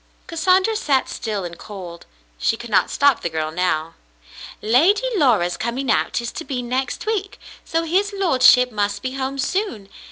Cassandra sat still and cold. She could not stop the girl now. "Lady Laura's coming out is to be next week, so his lordship must be home soon.